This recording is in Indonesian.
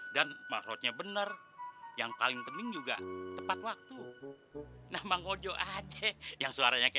dan maksudnya benar yang paling kening juga tepat waktu nama ngodok aja yang suaranya ke